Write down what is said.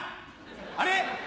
あれ？